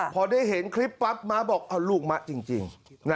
พอได้เห็นคลิปปั๊บม้าบอกเอาลูกมะจริง